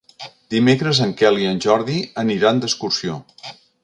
Dimecres en Quel i en Jordi aniran d'excursió.